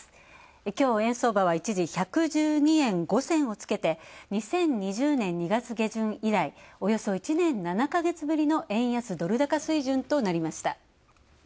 きょう、円相場は、一時１１２円５銭をつけて、２０２０年２月下旬以来、およそ１年７か月ぶりの円安・ドル高水準となりました。